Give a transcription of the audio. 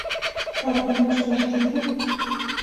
¿habríamos partido?